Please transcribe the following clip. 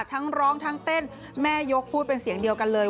ทั้งร้องทั้งเต้นแม่ยกพูดเป็นเสียงเดียวกันเลย